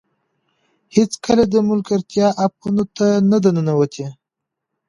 هېڅکله د ملګرتیا اپونو ته نه ده ننوتې